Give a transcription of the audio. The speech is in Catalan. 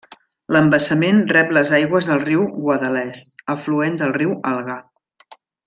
L'embassament rep les aigües del riu Guadalest, afluent el riu Algar.